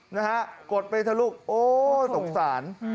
นะฮะกดไปเถอะลูกโอ้สงสาร